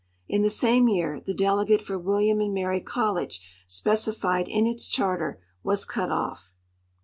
In the same year the delegate for William and Mary College, specified in its charter, was cut off.